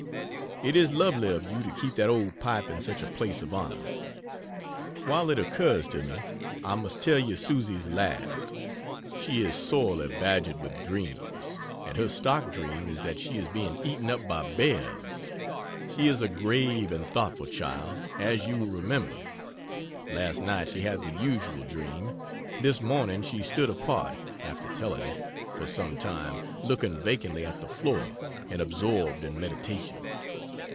It is lovely of you to keep that old pipe in such a place of honor. While it occurs to me, I must tell you Susie's last. She is sorely badgered with dreams; and her stock dream is that she is being eaten up by bears. She is a grave and thoughtful child, as you will remember. Last night she had the usual dream. This morning she stood apart (after telling it,) for some time, looking vacantly at the floor, and absorbed in meditation.